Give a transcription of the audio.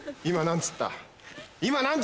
今何つった？